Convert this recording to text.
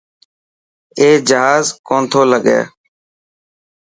اي جهاز ڪو نٿو لگي.